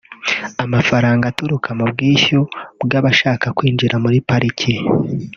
Amafaranga aturuka mu bwishyu bw’abashaka kwinjira muri pariki